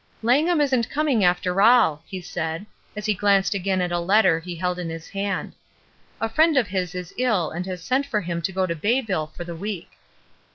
''Langham isn't coming, after all,'' he said, as he glanced again at a letter he held in his hand. ''A friend of his is ill and has sent for him to go to Bayville for the week.''